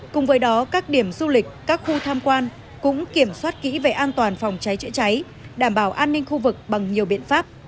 cùng với đó các điểm du lịch các khu tham quan cũng kiểm soát kỹ về an toàn phòng cháy chữa cháy đảm bảo an ninh khu vực bằng nhiều biện pháp